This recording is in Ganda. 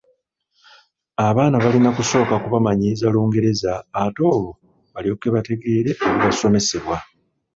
Abaana balina kusooka kubamanyiiza Lungereza ate olwo balyoke bategeere ebibasomesebwa.